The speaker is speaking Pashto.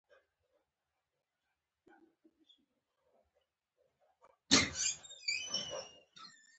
بېرته مینا ته راروان شوو.